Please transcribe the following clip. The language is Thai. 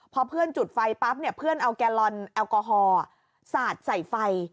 พอเพื่อนจุดไฟปั๊บเนี่ยเพื่อนเอาแกลลอนแอลกอฮอล์สาดใส่ไฟ